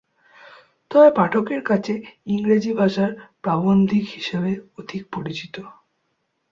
তবে পাঠকের কাছে ইংরেজি ভাষার প্রাবন্ধিক হিসেবে অধিক পরিচিত।